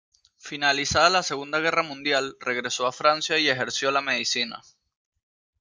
Finalizada la Segunda Guerra Mundial regresó a Francia y ejerció la medicina.